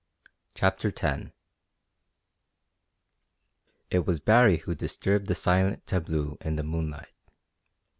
CHAPTER X It was Baree who disturbed the silent tableau in the moonlight.